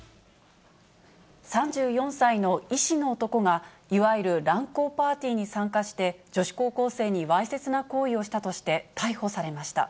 ３４歳の医師の男が、いわゆる乱交パーティーに参加して、女子高校生にわいせつな行為をしたとして、逮捕されました。